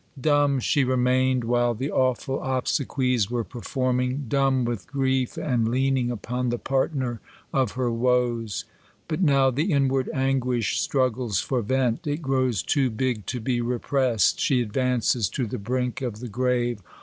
Dumb she remained, while the awful obsequies were performing ; dumb with grief, and leaning upon the partner of her woes. But now the inward anguish struggles for vent ; it grows too big to be repressed. She advances to the brink of the grave.